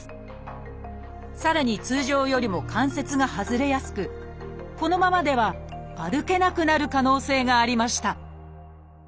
さらに通常よりも関節が外れやすくこのままでは歩けなくなる可能性がありました